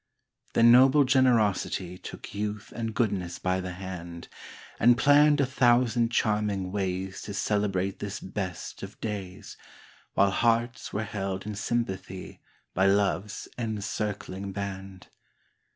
Then noble generosity Took youth and goodness by the hand, And planned a thousand charming ways To celebrate this best of days, While hearts were held in sympathy By love's encircling band.